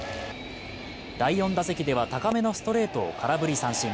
第４打席では、高めのストレートを空振り三振。